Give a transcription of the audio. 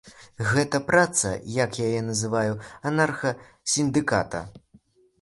Гэта праца, як я яе называю, анарха-сіндыката.